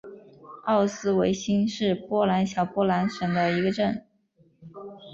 奥斯威辛是波兰小波兰省的一个镇。